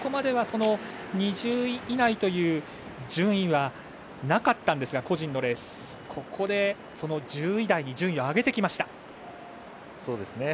ここまでは２０位以内という順位は個人レースではなかったんですがここで１０位台に順位を上げてきました。